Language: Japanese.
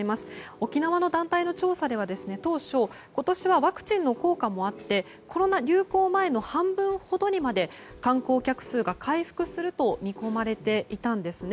沖縄の団体の調査によると当初、今年はワクチンの効果もあってコロナ流行前の半分ほどにまで観光客数が回復すると見込まれていたんですね。